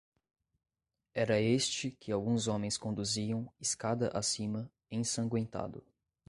Era este que alguns homens conduziam, escada acima, ensangüentado.